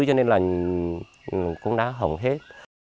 cho nên là cũng đã hỏng hết